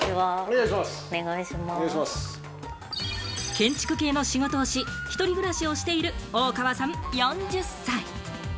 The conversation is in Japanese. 建築系の仕事をし、一人暮らしをしている大川さん、４０歳。